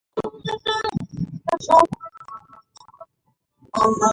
Entonces dijo el rey: ¿Quién está en el patio?